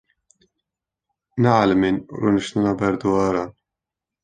Neelîmin rûniştina ber dîwaran.